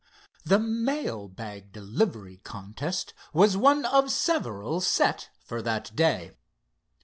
The mail bag delivery contest was one of several set for that day.